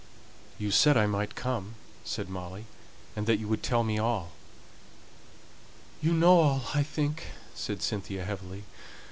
"You said I might come," said Molly, "and that you would tell me all." "You know all, I think," said Cynthia, heavily.